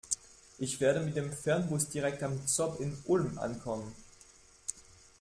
Ich werde mit dem Fernbus direkt am ZOB in Ulm ankommen.